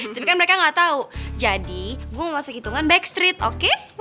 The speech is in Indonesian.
tapi kan mereka ga tau jadi gue mau masuk hitungan backstreet oke